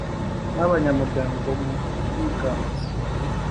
n abanyamuryango mu bwiganze